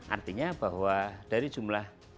artinya bahwa dari jumlah